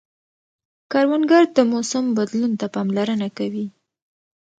کروندګر د موسم بدلون ته پاملرنه کوي